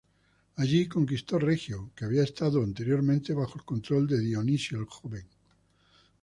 Allí conquistó Regio, que había estado anteriormente bajo el control de Dionisio el Joven.